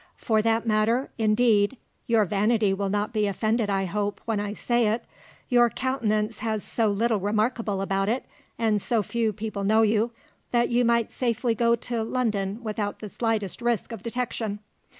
For that matter, indeed (your vanity will not be offended, I hope, when I say it), your countenance has so little remarkable about it, and so few people know you, that you might safely go to London without the slightest risk of detection.